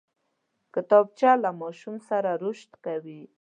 کتابچه له ماشوم سره رشد کوي